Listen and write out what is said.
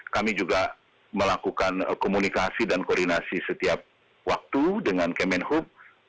kami juga melakukan komunikasi dan koordinasi setiap waktu dengan kemenhub